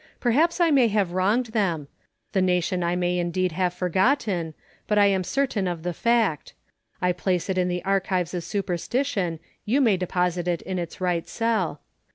Perhaps I may have wronged them ; the nation I may indeed have forgotten, but I am certain of the fact : I place it in the archives of superstition, you may deposit it in its right cell.